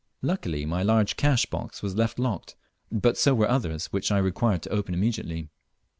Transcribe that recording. Luckily my large cash box was left locked, but so were others which I required to open immediately.